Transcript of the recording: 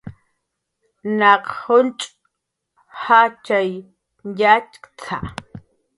"Naq junch' jatxay yatxk""t""a"